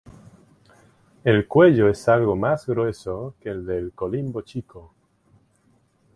El cuello es algo más grueso que el del colimbo chico.